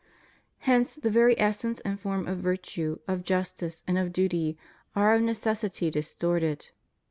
Hence the very essence and form of virtue, of justice, and of duty are of necessity distorted.